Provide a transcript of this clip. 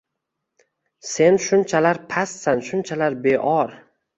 Sen shunchalar pastsan shunchalar beor